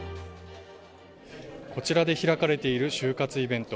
こちらで開かれている就活イベント。